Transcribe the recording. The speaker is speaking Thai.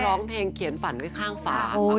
ร้องเพลงเขียนฝันไว้ข้างฝา